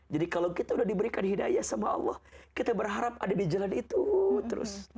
jadi kalau kita sudah diberikan hidayah kepada allah kita berharap ada di jalan itu terus